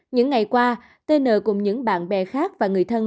những ngày qua tn cùng những bạn bè khác và người thân